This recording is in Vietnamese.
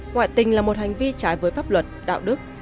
ngoại tình là một hành vi trái với pháp luật đạo đức